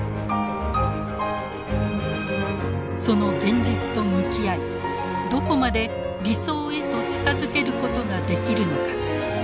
その「現実」と向き合いどこまで「理想」へと近づけることができるのか。